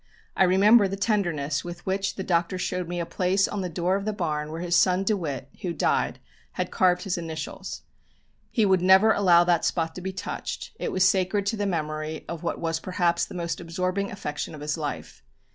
I remember the tenderness with which the Doctor showed me a place on the door of the barn where his son DeWitt, who died, had carved his initials. He would never allow that spot to be touched, it was sacred to the memory of what was perhaps the most absorbing affection of his life.